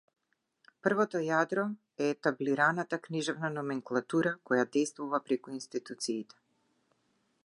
Првото јадро е етаблираната книжевна номенклатура која дејствува преку институциите.